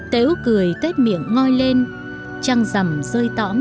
tếu cười tuyết miệng ngoi lên trăng rằm rơi tõm in nền nước xanh